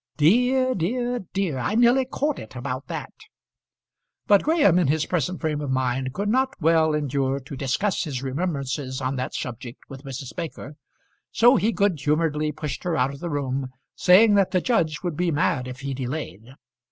Dear, dear, dear! I nearly caught it about that." But Graham in his present frame of mind could not well endure to discuss his remembrances on that subject with Mrs. Baker, so he good humouredly pushed her out of the room, saying that the judge would be mad if he delayed.